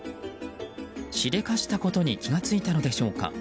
しでかしたことに気が付いたのでしょうか。